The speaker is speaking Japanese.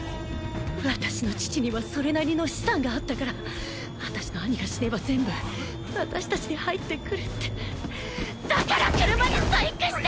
私の父にはそれなりの資産があったから私の兄が死ねば全部私達に入ってくるってだから車に細工して！